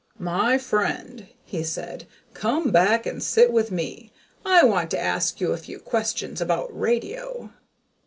] "My friend," he said, "come back and sit with me; I want to ask you a few questions about radio."